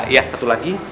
iya satu lagi